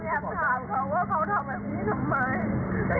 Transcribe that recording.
โชคกันมาตั้งหลายสี่เท่านั้นเว้ย